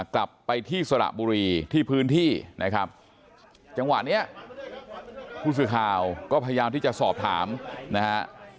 กลับไปที่สระบุรีที่พื้นที่นะครับจังหวะนี้ผู้สื่อข่าวก็พยายามที่จะสอบถามนะฮะ